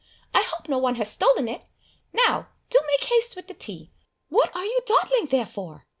I hope no one has stolen it! Now do make haste with the tea! What are you dawdling there for?